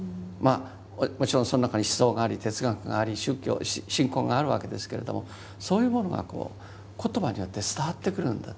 もちろんその中に思想があり哲学があり宗教信仰があるわけですけれどもそういうものが言葉によって伝わってくるんだと。